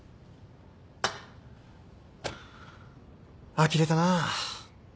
あきれたな。